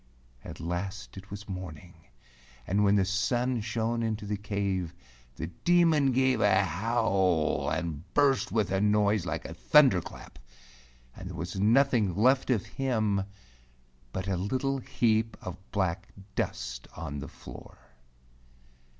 At last it was morning, and when the sun shone into the cave, the Demon gave a howl and burst with a noise like a thunder clap, and there was nothing left of him but a little heap of black dust on the floor.